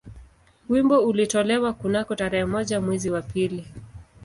Wimbo ulitolewa kunako tarehe moja mwezi wa pili